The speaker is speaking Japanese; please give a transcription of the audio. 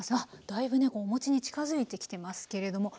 だいぶねおもちに近づいてきてますけれども。